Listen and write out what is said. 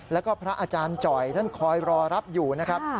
แล้วก็พระอาจารย์จ่อยท่านคอยรอรับอยู่นะครับ